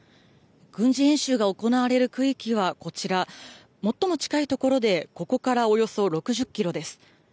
軍事演習が行われる区域はこちら、最も近い所で、ここからおよそ６０キロです。